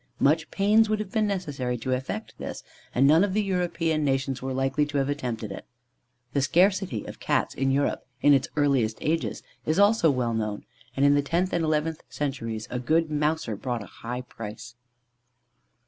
Much pains would have been necessary to effect this, and none of the European nations were likely to have attempted it. The scarcity of Cats in Europe, in its earliest ages, is also well known, and in the tenth and eleventh centuries a good mouser brought a high price."